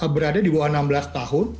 berada di bawah enam belas tahun